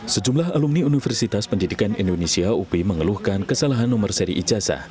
sejumlah alumni universitas pendidikan indonesia upi mengeluhkan kesalahan nomor seri ijazah